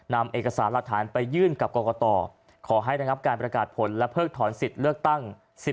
นำเอกสารหลักฐานไปยื่นกับกรกตขอให้ระงับการประกาศผลและเพิกถอนสิทธิ์เลือกตั้ง